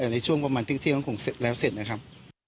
ในช่วงประมาณเที่ยงแล้วคงเสร็จนะครับ